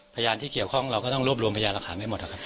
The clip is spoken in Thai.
พยานที่เกี่ยวข้องเราก็ต้องรวบรวมพยานหลักฐานให้หมดนะครับ